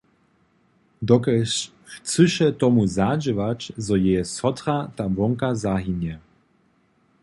Dokelž chcyše tomu zadźěwać, zo jeje sotra tam wonka zahinje?